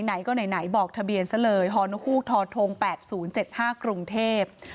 ไหนก็ไหนบอกทะเบียนซะเลยฮนฮกทท๘๐๗๕กรุงเทพ